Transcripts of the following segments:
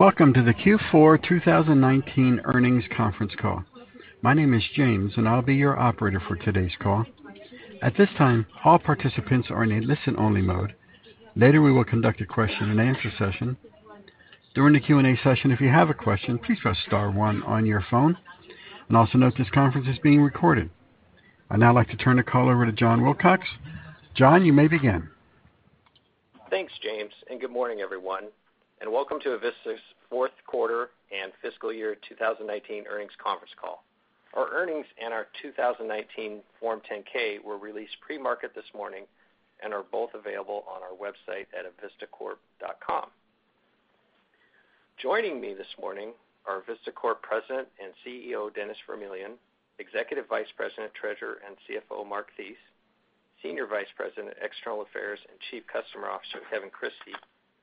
Welcome to the Q4 2019 earnings conference call. My name is James, and I'll be your operator for today's call. At this time, all participants are in a listen-only mode. Later, we will conduct a question and answer session. During the Q&A session, if you have a question, please press star one on your phone. Also note this conference is being recorded. I'd now like to turn the call over to John Wilcox. John, you may begin. Thanks, James. Good morning, everyone, and welcome to Avista's fourth quarter and fiscal year 2019 earnings conference call. Our earnings and our 2019 Form 10-K were released pre-market this morning and are both available on our website at avistacorp.com. Joining me this morning are Avista Corp President and CEO, Dennis Vermillion, Executive Vice President, Treasurer, and CFO, Mark Thies, Senior Vice President, External Affairs, and Chief Customer Officer, Kevin Christie,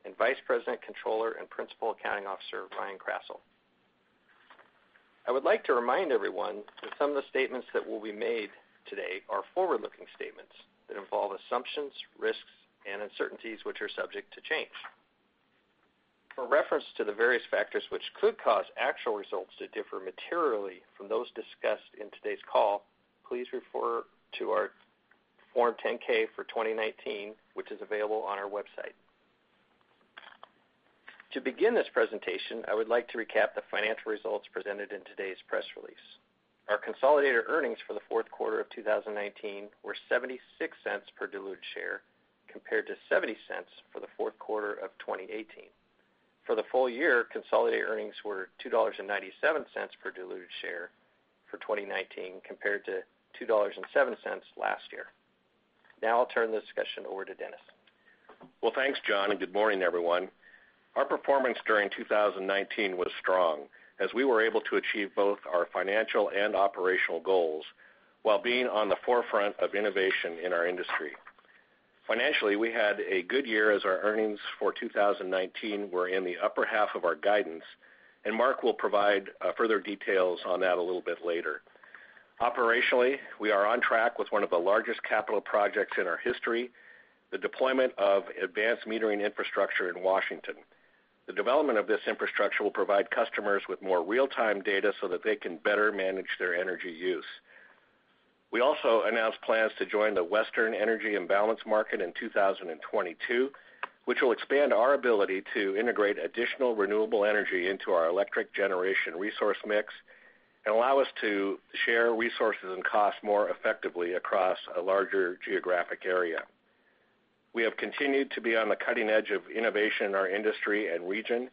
and Vice President, Controller, and Principal Accounting Officer, Ryan Krasselt. I would like to remind everyone that some of the statements that will be made today are forward-looking statements that involve assumptions, risks, and uncertainties which are subject to change. For reference to the various factors which could cause actual results to differ materially from those discussed in today's call, please refer to our Form 10-K for 2019, which is available on our website. To begin this presentation, I would like to recap the financial results presented in today's press release. Our consolidated earnings for the fourth quarter of 2019 were $0.76 per diluted share, compared to $0.70 for the fourth quarter of 2018. For the full year, consolidated earnings were $2.97 per diluted share for 2019, compared to $2.07 last year. I'll turn the discussion over to Dennis. Well, thanks, John, and good morning, everyone. Our performance during 2019 was strong, as we were able to achieve both our financial and operational goals while being on the forefront of innovation in our industry. Financially, we had a good year as our earnings for 2019 were in the upper half of our guidance. Mark will provide further details on that a little bit later. Operationally, we are on track with one of the largest capital projects in our history, the deployment of advanced metering infrastructure in Washington. The development of this infrastructure will provide customers with more real-time data so that they can better manage their energy use. We also announced plans to join the Western Energy Imbalance Market in 2022, which will expand our ability to integrate additional renewable energy into our electric generation resource mix and allow us to share resources and costs more effectively across a larger geographic area. We have continued to be on the cutting edge of innovation in our industry and region.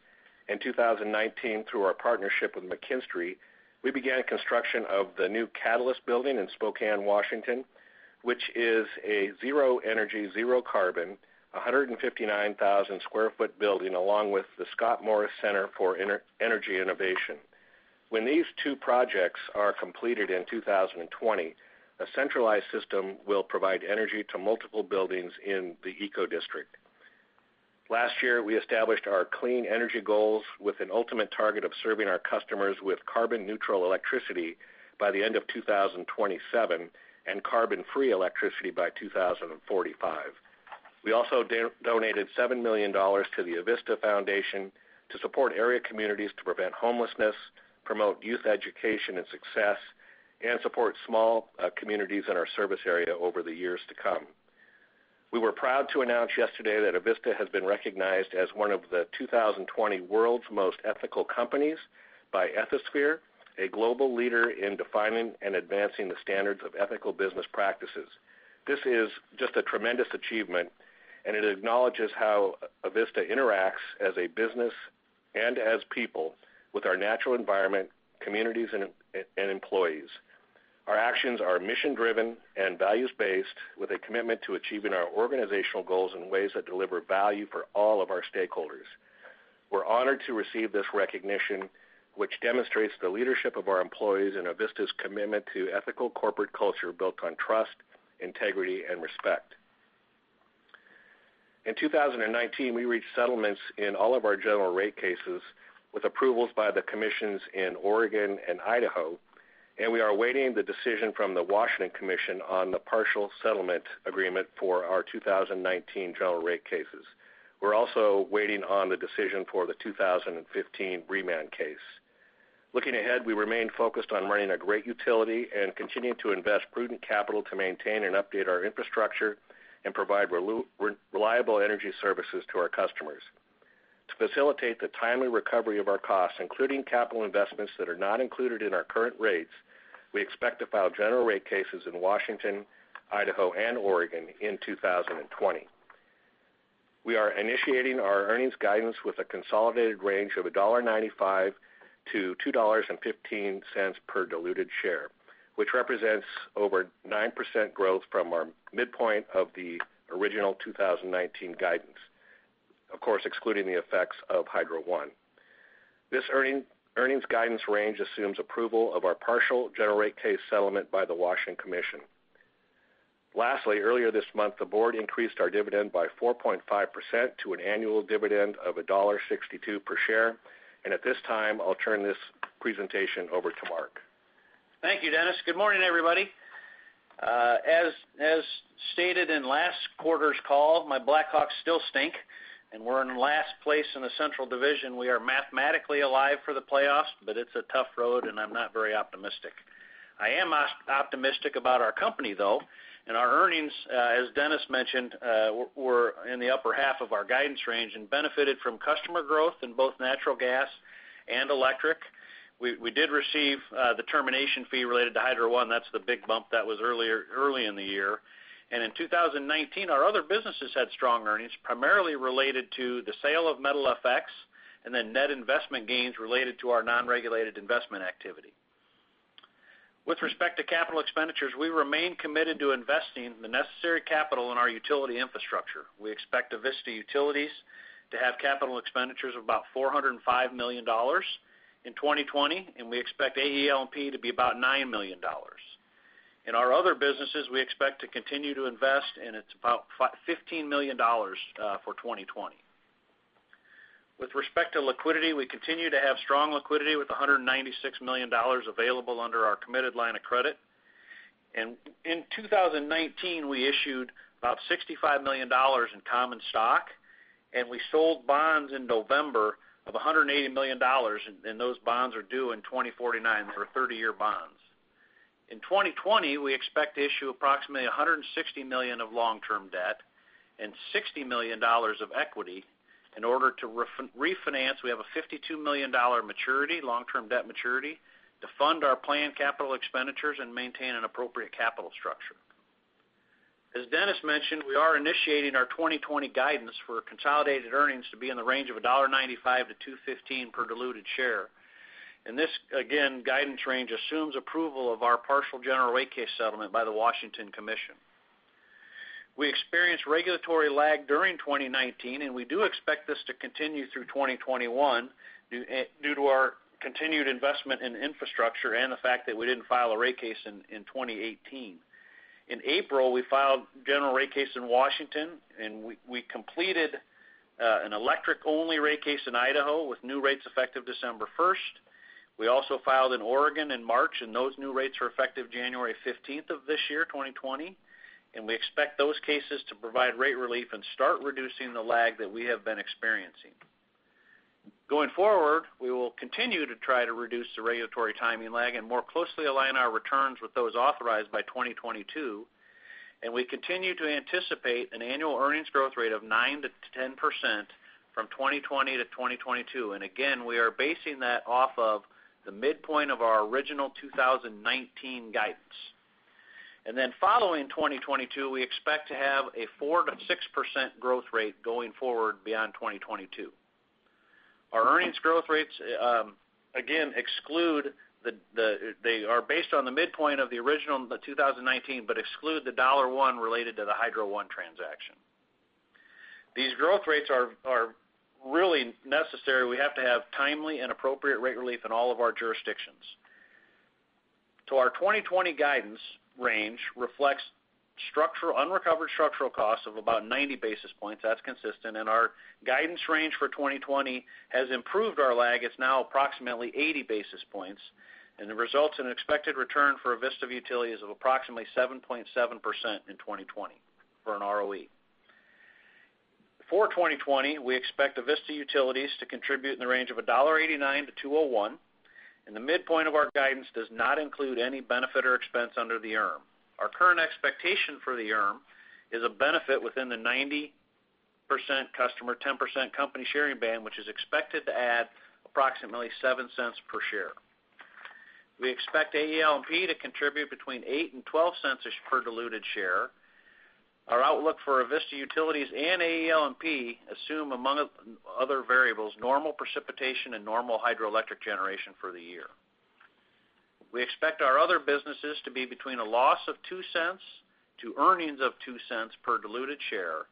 In 2019, through our partnership with McKinstry, we began construction of the new Catalyst building in Spokane, Washington, which is a zero-energy, zero-carbon, 159,000 square foot building along with the Scott Morris Center for Energy Innovation. When these two projects are completed in 2020, a centralized system will provide energy to multiple buildings in the eco district. Last year, we established our clean energy goals with an ultimate target of serving our customers with carbon-neutral electricity by the end of 2027 and carbon-free electricity by 2045. We also donated $7 million to the Avista Foundation to support area communities to prevent homelessness, promote youth education and success, and support small communities in our service area over the years to come. We were proud to announce yesterday that Avista has been recognized as one of the 2020 World's Most Ethical Companies by Ethisphere, a global leader in defining and advancing the standards of ethical business practices. This is just a tremendous achievement, and it acknowledges how Avista interacts as a business and as people with our natural environment, communities, and employees. Our actions are mission-driven and values-based, with a commitment to achieving our organizational goals in ways that deliver value for all of our stakeholders. We're honored to receive this recognition, which demonstrates the leadership of our employees and Avista's commitment to ethical corporate culture built on trust, integrity, and respect. In 2019, we reached settlements in all of our general rate cases with approvals by the commissions in Oregon and Idaho, and we are awaiting the decision from the Washington Commission on the partial settlement agreement for our 2019 general rate cases. We're also waiting on the decision for the 2015 remand case. Looking ahead, we remain focused on running a great utility and continuing to invest prudent capital to maintain and update our infrastructure and provide reliable energy services to our customers. To facilitate the timely recovery of our costs, including capital investments that are not included in our current rates, we expect to file general rate cases in Washington, Idaho, and Oregon in 2020. We are initiating our earnings guidance with a consolidated range of $1.95-$2.15 per diluted share, which represents over 9% growth from our midpoint of the original 2019 guidance. Of course, excluding the effects of Hydro One. This earnings guidance range assumes approval of our partial general rate case settlement by the Washington Commission. Earlier this month, the board increased our dividend by 4.5% to an annual dividend of $1.62 per share. At this time, I'll turn this presentation over to Mark. Thank you, Dennis. Good morning, everybody. As stated in last quarter's call, my Blackhawks still stink, and we're in last place in the Central Division. We are mathematically alive for the playoffs, but it's a tough road and I'm not very optimistic. I am optimistic about our company, though, and our earnings, as Dennis mentioned, were in the upper half of our guidance range and benefited from customer growth in both natural gas and electric. We did receive the termination fee related to Hydro One. That's the big bump that was early in the year. In 2019, our other businesses had strong earnings, primarily related to the sale of METALfx and then net investment gains related to our non-regulated investment activity. With respect to capital expenditures, we remain committed to investing the necessary capital in our utility infrastructure. We expect Avista Utilities to have capital expenditures of about $405 million in 2020. We expect AEL&P to be about $9 million. In our other businesses, we expect to continue to invest. It's about $15 million for 2020. With respect to liquidity, we continue to have strong liquidity with $196 million available under our committed line of credit. In 2019, we issued about $65 million in common stock. We sold bonds in November of $180 million. Those bonds are due in 2049. They are 30-year bonds. In 2020, we expect to issue approximately $160 million of long-term debt and $60 million of equity in order to refinance. We have a $52 million long-term debt maturity to fund our planned capital expenditures and maintain an appropriate capital structure. As Dennis mentioned, we are initiating our 2020 guidance for consolidated earnings to be in the range of $1.95-$2.15 per diluted share. This, again, guidance range assumes approval of our partial general rate case settlement by the Washington Commission. We experienced regulatory lag during 2019, and we do expect this to continue through 2021 due to our continued investment in infrastructure and the fact that we didn't file a rate case in 2018. In April, we filed a general rate case in Washington, and we completed an electric-only rate case in Idaho with new rates effective December 1st. We also filed in Oregon in March, and those new rates are effective January 15th of this year, 2020, and we expect those cases to provide rate relief and start reducing the lag that we have been experiencing. Going forward, we will continue to try to reduce the regulatory timing lag and more closely align our returns with those authorized by 2022. We continue to anticipate an annual earnings growth rate of 9%-10% from 2020 to 2022. Again, we are basing that off of the midpoint of our original 2019 guidance. Following 2022, we expect to have a 4%-6% growth rate going forward beyond 2022. Our earnings growth rates, again, they are based on the midpoint of the original 2019, but exclude the $1 related to the Hydro One transaction. These growth rates are really necessary. We have to have timely and appropriate rate relief in all of our jurisdictions. Our 2020 guidance range reflects unrecovered structural costs of about 90 basis points. That's consistent. Our guidance range for 2020 has improved our lag. It's now approximately 80 basis points, and the results in expected return for Avista Utilities of approximately 7.7% in 2020 for an ROE. For 2020, we expect Avista Utilities to contribute in the range of $1.89-$2.01, and the midpoint of our guidance does not include any benefit or expense under the ERM. Our current expectation for the ERM is a benefit within the 90% customer, 10% company sharing band, which is expected to add approximately $0.07 per share. We expect AEL&P to contribute between $0.08 and $0.12 per diluted share. Our outlook for Avista Utilities and AEL&P assume, among other variables, normal precipitation and normal hydroelectric generation for the year. We expect our other businesses to be between a loss of $0.02 to earnings of $0.02 per diluted share.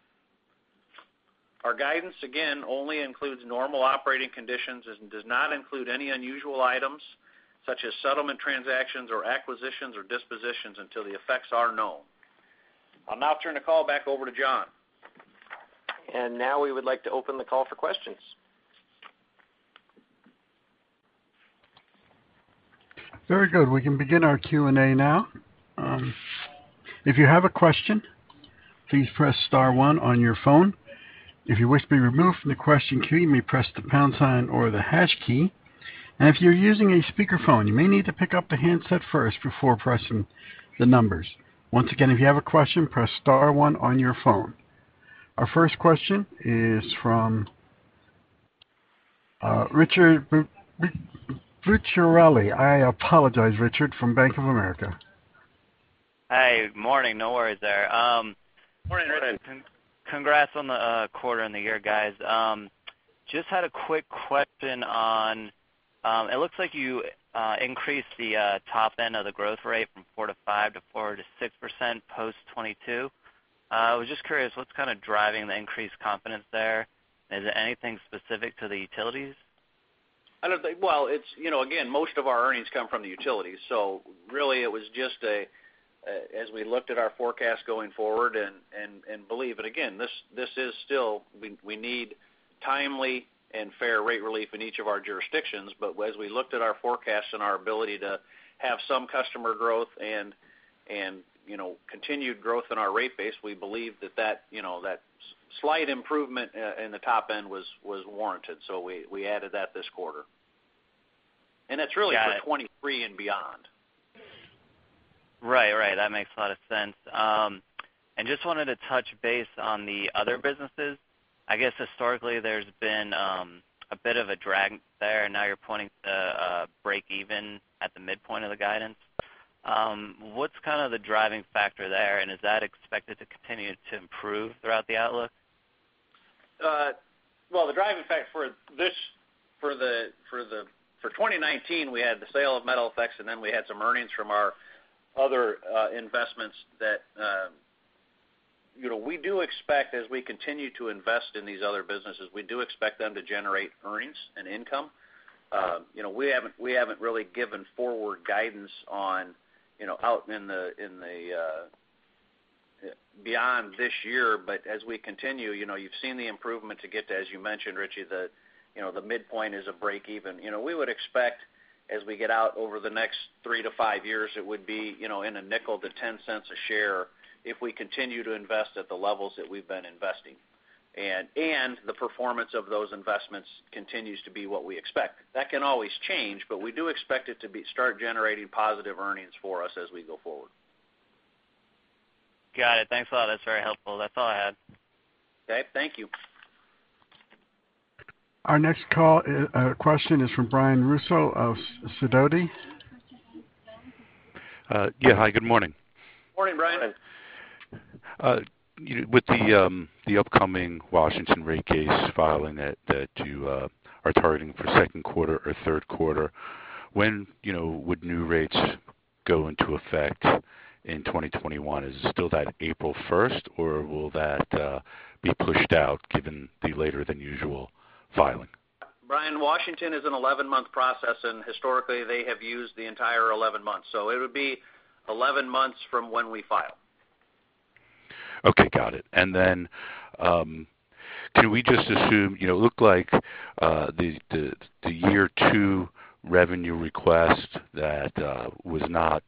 Our guidance, again, only includes normal operating conditions and does not include any unusual items such as settlement transactions or acquisitions or dispositions until the effects are known. I'll now turn the call back over to John. Now we would like to open the call for questions. Very good. We can begin our Q&A now. If you have a question, please press star one on your phone. If you wish to be removed from the question queue, you may press the pound sign or the hash key. If you're using a speakerphone, you may need to pick up the handset first before pressing the numbers. Once again, if you have a question, press star one on your phone. Our first question is from Richard Ciciarelli from Bank of America. Hi. Morning. No worries there. Morning, Richard. Congrats on the quarter and the year, guys. Just had a quick question on, it looks like you increased the top end of the growth rate from 4%-5% to 4%-6% post 2022. I was just curious, what's kind of driving the increased confidence there? Is it anything specific to the utilities? Well, again, most of our earnings come from the utilities, so really it was just as we looked at our forecast going forward and believe. Again, this is still, we need timely and fair rate relief in each of our jurisdictions. As we looked at our forecast and our ability to have some customer growth and continued growth in our rate base, we believe that slight improvement in the top end was warranted. We added that this quarter. It's really for 2023 and beyond. Right. That makes a lot of sense. Just wanted to touch base on the other businesses. I guess historically there's been a bit of a drag there. Now you're pointing to a breakeven at the midpoint of the guidance. What's the driving factor there? Is that expected to continue to improve throughout the outlook? Well, the driving factor for 2019, we had the sale of METALfx, and then we had some earnings from our other investments that we do expect as we continue to invest in these other businesses, we do expect them to generate earnings and income. We haven't really given forward guidance beyond this year. As we continue, you've seen the improvement to get to, as you mentioned, Richie, the midpoint is a break even. We would expect as we get out over the next three to five years, it would be in a $0.05-$0.10 a share if we continue to invest at the levels that we've been investing. The performance of those investments continues to be what we expect. That can always change. We do expect it to start generating positive earnings for us as we go forward. Got it. Thanks a lot. That's very helpful. That's all I had. Okay. Thank you. Our next question is from Brian Russo of Sidoti. Yeah. Hi, good morning. Morning, Brian. With the upcoming Washington rate case filing that you are targeting for second quarter or third quarter, when would new rates go into effect in 2021? Is it still that April 1st, or will that be pushed out given the later than usual filing? Brian, Washington is an 11-month process. Historically they have used the entire 11 months. It would be 11 months from when we file. Okay, got it. Can we just assume it looked like the year two revenue request that was not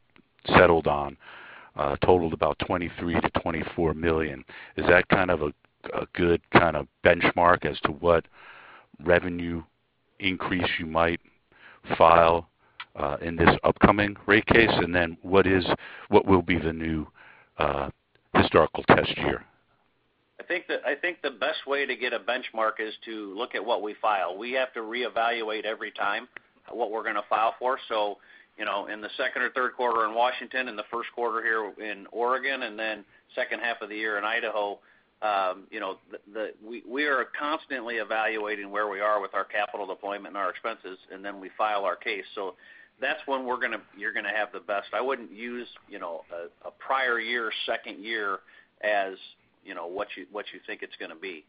settled on totaled about $23 million-$24 million. Is that a good kind of benchmark as to what revenue increase you might file in this upcoming rate case? What will be the new historical test year? I think the best way to get a benchmark is to look at what we file. We have to reevaluate every time what we're going to file for. In the second or third quarter in Washington, in the first quarter here in Oregon, and then second half of the year in Idaho, we are constantly evaluating where we are with our capital deployment and our expenses, and then we file our case. That's when you're going to have the best. I wouldn't use a prior year, second year as what you think it's going to be.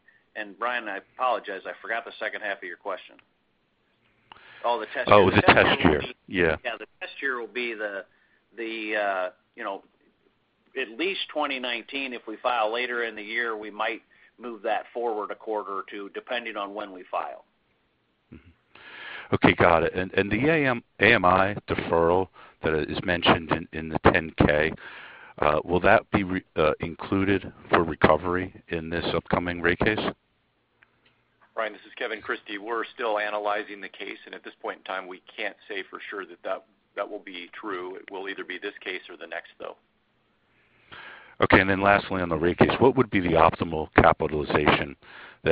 Brian, I apologize, I forgot the second half of your question. The test year. Oh, the test year. Yeah. Yeah, the test year will be at least 2019. If we file later in the year, we might move that forward a quarter or two, depending on when we file. Okay, got it. The AMI deferral that is mentioned in the 10-K, will that be included for recovery in this upcoming rate case? Brian, this is Kevin Christie. We're still analyzing the case, and at this point in time, we can't say for sure that that will be true. It will either be this case or the next, though. Okay. Lastly, on the rate case, what would be the optimal capitalization that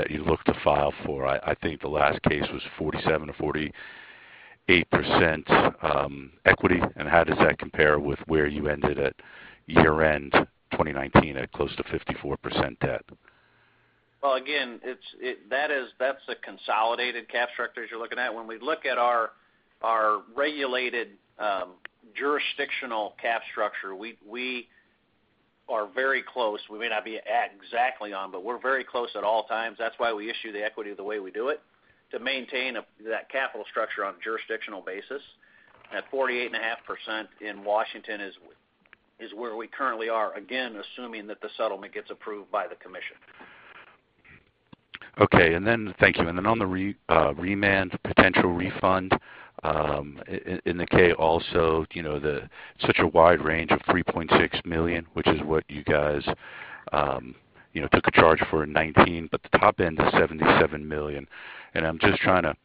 you look to file for? I think the last case was 47%-48% equity, and how does that compare with where you ended at year-end 2019 at close to 54% debt? Again, that's a consolidated cap structure as you're looking at. When we look at our regulated jurisdictional cap structure, we are very close. We may not be at exactly on, but we're very close at all times. That's why we issue the equity the way we do it, to maintain that capital structure on a jurisdictional basis. At 48.5% in Washington is where we currently are. Assuming that the settlement gets approved by the commission. Okay. Thank you. On the remand potential refund in the 10-K also, such a wide range of $3.6 million, which is what you guys took a charge for in 2019, the top end is $77 million. I'm just trying to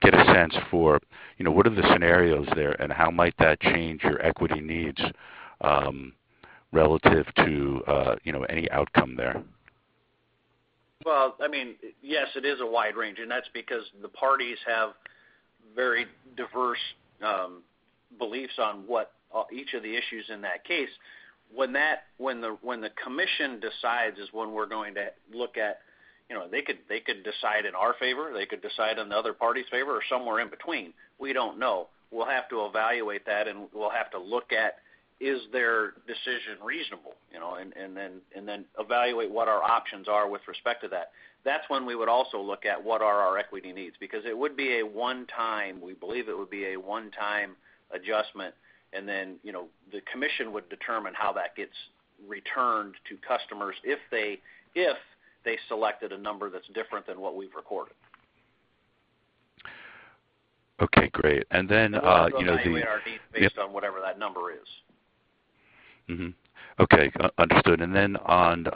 get a sense for what are the scenarios there and how might that change your equity needs relative to any outcome there? Well, yes, it is a wide range. That's because the parties have very diverse beliefs on each of the issues in that case. When the commission decides is when we're going to look at. They could decide in our favor, they could decide on the other party's favor, or somewhere in between. We don't know. We'll have to evaluate that. We'll have to look at, is their decision reasonable? Then evaluate what our options are with respect to that. That's when we would also look at what are our equity needs, because it would be a one-time adjustment. Then the commission would determine how that gets returned to customers if they selected a number that's different than what we've recorded. Okay, great. We'll adjust those annually in our rates based on whatever that number is. Okay, understood. Then on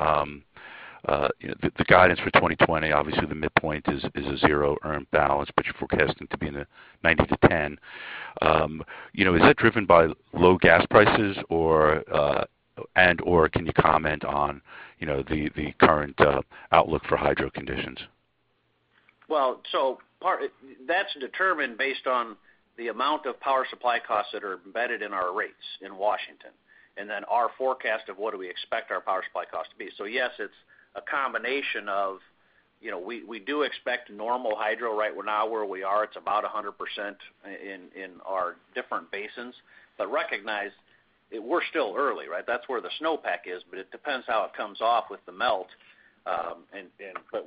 the guidance for 2020, obviously the midpoint is a zero earned balance, but you're forecasting to be in the 9%-10%. Is that driven by low gas prices and/or can you comment on the current outlook for hydro conditions? That's determined based on the amount of power supply costs that are embedded in our rates in Washington, and then our forecast of what do we expect our power supply cost to be. Yes, it's a combination of, we do expect normal hydro. Right now where we are, it's about 100% in our different basins. Recognize that we're still early, right? That's where the snowpack is, but it depends how it comes off with the melt.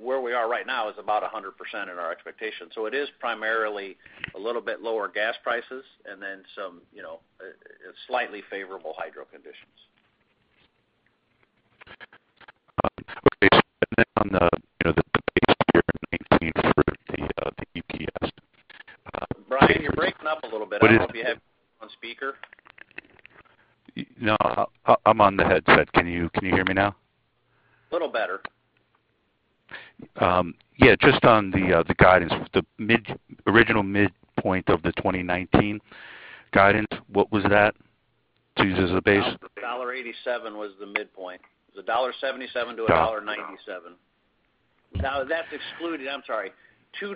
Where we are right now is about 100% in our expectations. It is primarily a little bit lower gas prices and then some slightly favorable hydro conditions. Brian, you're breaking up a little bit. I don't know if you have me on speaker. No, I'm on the headset. Can you hear me now? Little better. Yeah. Just on the guidance. The original midpoint of the 2019 guidance, what was that to use as a base? $1.87 was the midpoint. It was $1.77-$1.97. That's excluding I'm sorry, $2.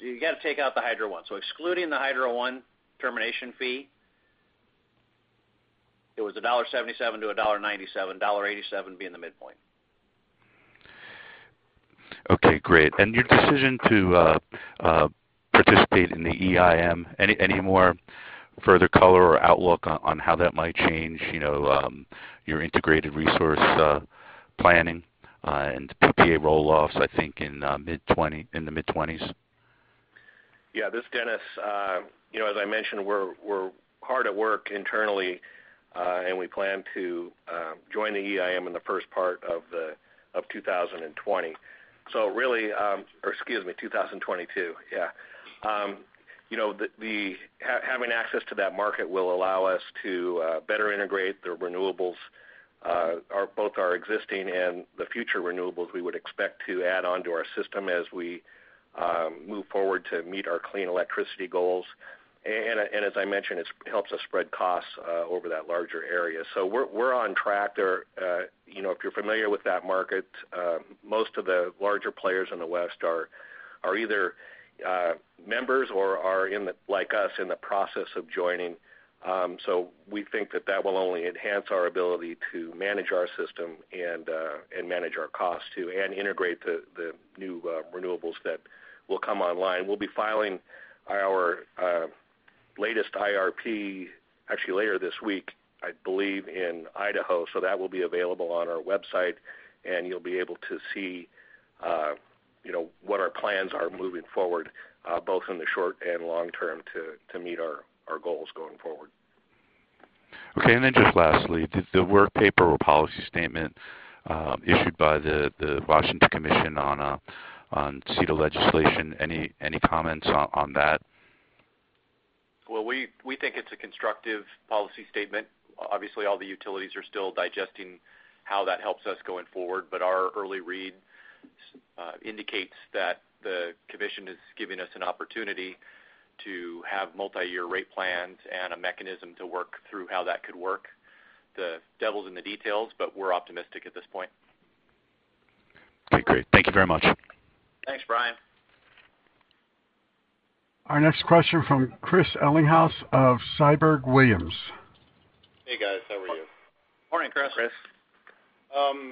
You got to take out the Hydro One. Excluding the Hydro One termination fee, it was $1.77-$1.97, $1.87 being the midpoint. Okay, great. Your decision to participate in the EIM, any more further color or outlook on how that might change your integrated resource planning and PPA roll-offs, I think in the mid-20s? Yeah. This is Dennis. As I mentioned, we're hard at work internally, and we plan to join the EIM in the first part of 2020. Or excuse me, 2022. Having access to that market will allow us to better integrate the renewables, both our existing and the future renewables we would expect to add onto our system as we move forward to meet our clean electricity goals. As I mentioned, it helps us spread costs over that larger area. We're on track. If you're familiar with that market, most of the larger players in the West are either members or are, like us, in the process of joining. We think that that will only enhance our ability to manage our system and manage our costs too, and integrate the new renewables that will come online. We'll be filing our latest IRP actually later this week, I believe, in Idaho. That will be available on our website, and you'll be able to see what our plans are moving forward, both in the short and long term to meet our goals going forward. Okay. Just lastly, the work paper or policy statement issued by the Washington Commission on C2 legislation, any comments on that? Well, we think it's a constructive policy statement. Obviously, all the utilities are still digesting how that helps us going forward. Our early read indicates that the Commission is giving us an opportunity to have multi-year rate plans and a mechanism to work through how that could work. The devil's in the details, but we're optimistic at this point. Okay, great. Thank you very much. Thanks, Brian. Our next question from Chris Ellinghaus of Siebert Williams. Hey, guys. How are you? Morning, Chris. Morning,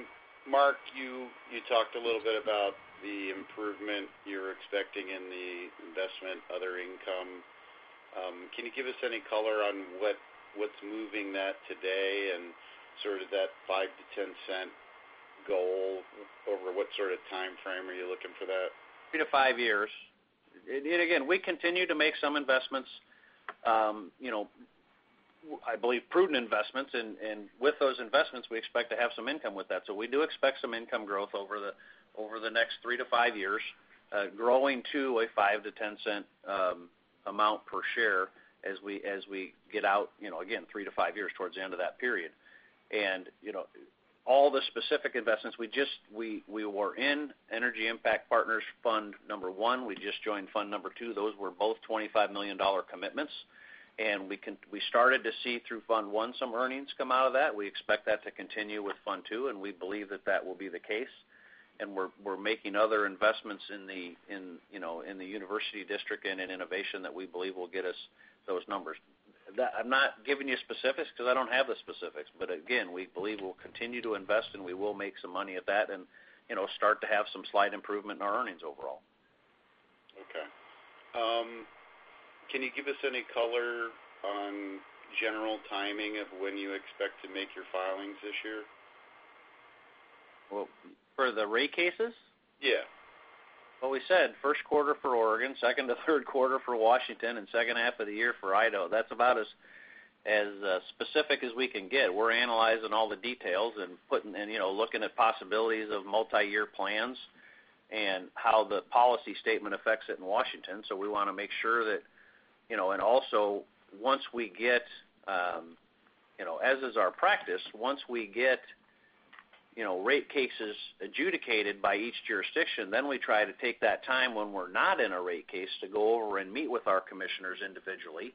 Chris. Mark, you talked a little bit about the improvement you're expecting in the investment other income. Can you give us any color on what's moving that today and sort of that $0.05-$0.10 goal? Over what sort of timeframe are you looking for that? Three to five years. Again, we continue to make some investments, I believe prudent investments. With those investments, we expect to have some income with that. We do expect some income growth over the next three to five years, growing to a $0.05-$0.10 per share as we get out, again, three to five years towards the end of that period. All the specific investments, we were in Energy Impact Partners Fund I, we just joined Fund II. Those were both $25 million commitments. We started to see through Energy Impact Partners Fund I some earnings come out of that. We expect that to continue with Fund II, and we believe that that will be the case. We're making other investments in the University District and in innovation that we believe will get us those numbers. I'm not giving you specifics because I don't have the specifics. Again, we believe we'll continue to invest, and we will make some money at that and start to have some slight improvement in our earnings overall. Okay. Can you give us any color on general timing of when you expect to make your filings this year? For the rate cases? Yeah. Well, we said first quarter for Oregon, second to third quarter for Washington, and second half of the year for Idaho. That's about as specific as we can get. We're analyzing all the details and looking at possibilities of multi-year plans and how the policy statement affects it in Washington. As is our practice, once we get rate cases adjudicated by each jurisdiction, then we try to take that time when we're not in a rate case to go over and meet with our commissioners individually,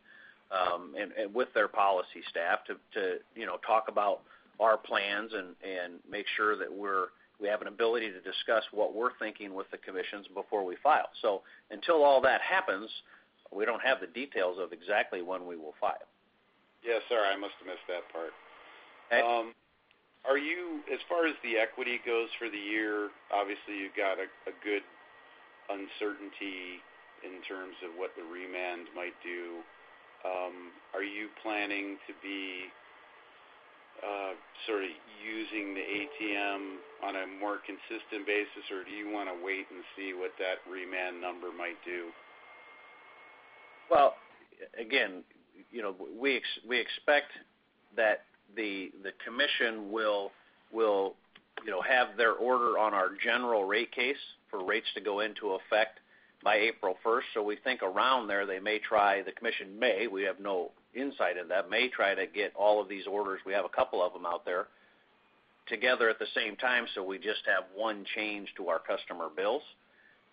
and with their policy staff to talk about our plans and make sure that we have an ability to discuss what we're thinking with the commissions before we file. Until all that happens, we don't have the details of exactly when we will file. Yeah, sorry, I must have missed that part. Okay. As far as the equity goes for the year, obviously you've got a good uncertainty in terms of what the remand might do. Are you planning to be sort of using the ATM on a more consistent basis, or do you want to wait and see what that remand number might do? Again, we expect that the commission will have their order on our general rate case for rates to go into effect by April 1st. We think around there, the commission may, we have no insight in that, may try to get all of these orders, we have a couple of them out there, together at the same time, so we just have one change to our customer bills.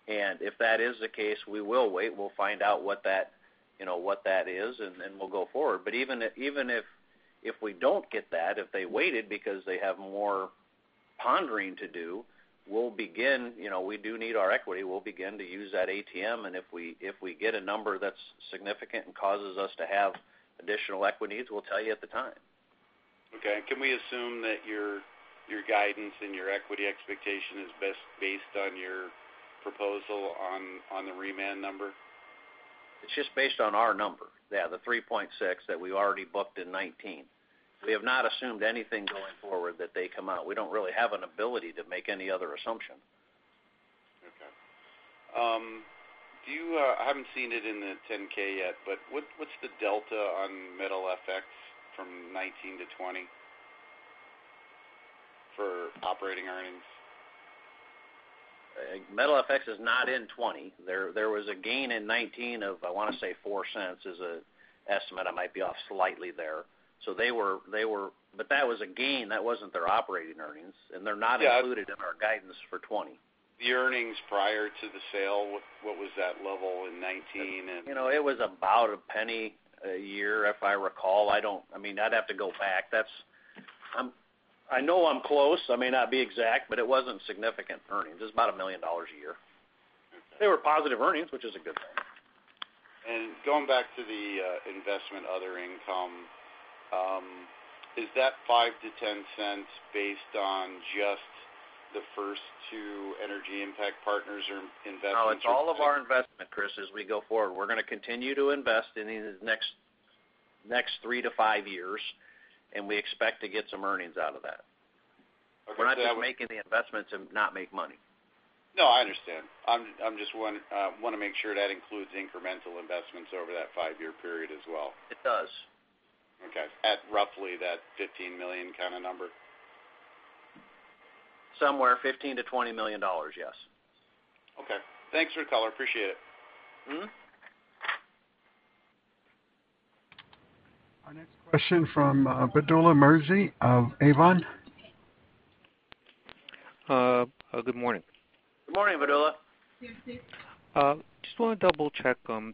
If that is the case, we will wait. We'll find out what that is, and we'll go forward. Even if we don't get that, if they waited because they have more pondering to do, we'll begin. We do need our equity. We'll begin to use that ATM, and if we get a number that's significant and causes us to have additional equity needs, we'll tell you at the time. Okay. Can we assume that your guidance and your equity expectation is based on your proposal on the remand number? It's just based on our number. Yeah, the $3.6 million that we already booked in 2019. We have not assumed anything going forward that they come out. We don't really have an ability to make any other assumption. Okay. I haven't seen it in the 10-K yet, but what's the delta on METALfx from 2019 to 2020 for operating earnings? METALfx is not in 2020. There was a gain in 2019 of, I want to say, $0.04 is an estimate. I might be off slightly there. That was a gain. That wasn't their operating earnings, and they're not included in our guidance for 2020. The earnings prior to the sale, what was that level in 2019? It was about $0.01 a year, if I recall. I'd have to go back. I know I'm close. I may not be exact, but it wasn't significant earnings. It was about $1 million a year. They were positive earnings, which is a good thing. Going back to the investment other income, is that $0.05-$0.10 based on just the first to Energy Impact Partners or investments? No, it's all of our investment, Chris, as we go forward. We're going to continue to invest in these next three to five years, and we expect to get some earnings out of that. Okay. We're not going to make the investments and not make money. No, I understand. I just want to make sure that includes incremental investments over that five-year period as well. It does. Okay. At roughly that $15 million kind of number? Somewhere, $15 million-$20 million, yes. Okay. Thanks for the call. I appreciate it. Our next question from Vedula Murti of Avon. Good morning. Good morning, Shahriar. Just want to double-check. I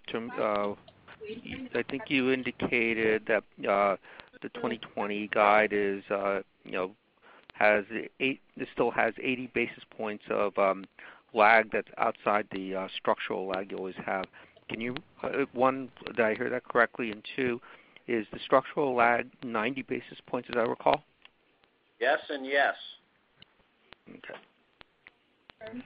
think you indicated that the 2020 guide still has 80 basis points of lag that's outside the structural lag you always have. One, did I hear that correctly? Two, is the structural lag 90 basis points, as I recall? Yes and yes. Okay.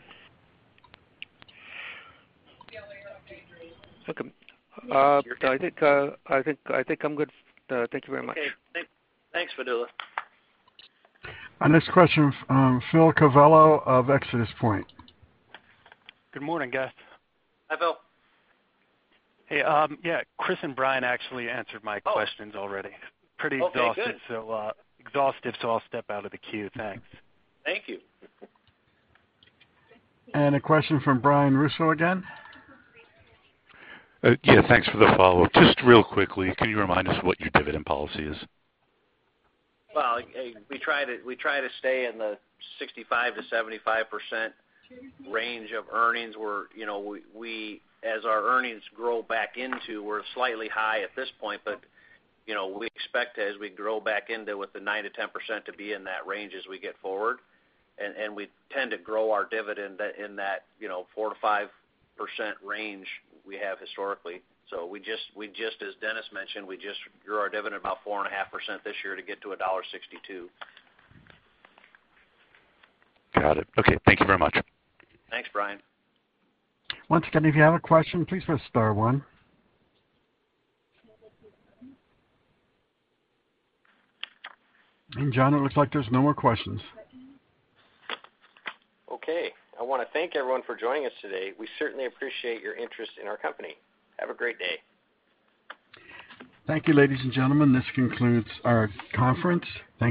I think I'm good. Thank you very much. Okay. Thanks, Vedula. Our next question from Phil Covello of ExodusPoint. Good morning, guys. Hi, Phil. Hey. Yeah, Chris and Brian actually answered my questions already. Oh. Pretty exhausted. Okay, good. Exhausted. I'll step out of the queue. Thanks. Thank you. A question from Brian Russo again. Yeah. Thanks for the follow-up. Just real quickly, can you remind us what your dividend policy is? Well, we try to stay in the 65%-75% range of earnings. As our earnings grow back into, we're slightly high at this point, but we expect as we grow back into with the 9%-10% to be in that range as we get forward. We tend to grow our dividend in that 4%-5% range we have historically. As Dennis mentioned, we just grew our dividend about 4.5% this year to get to $1.62. Got it. Okay. Thank you very much. Thanks, Brian. Once again, if you have a question, please press star one. John, it looks like there's no more questions. Okay. I want to thank everyone for joining us today. We certainly appreciate your interest in our company. Have a great day. Thank you, ladies and gentlemen. This concludes our conference. Thank you.